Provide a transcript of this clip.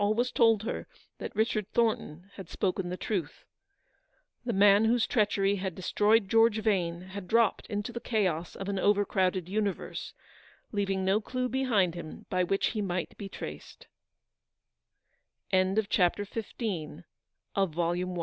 always told her that Richard Thornton had spoken the truth. The man whose treachery had de stroyed George Vane had dropped into the chaos of an over crowded universe, leaving no clue behind him by which he might be trac